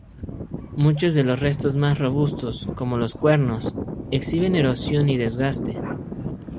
Muchos de los restos más robustos, como los cuernos, exhiben erosión y desgaste.